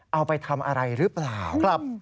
เอาไปทำอะไรหรือเปล่า